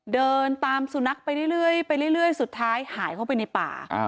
เดินตามสุนัขไปเรื่อยไปเรื่อยสุดท้ายหายเข้าไปในป่า